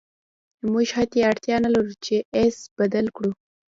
موږ حتی اړتیا نلرو چې ایس بدل کړو